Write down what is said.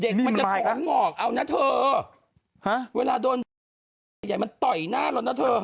เด็กมันจะถอนหงอกเอานะเถอะเวลาโดนมันต่อยหน้าเรานะเถอะ